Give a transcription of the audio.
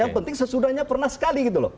yang penting sesudahnya pernah sekali gitu loh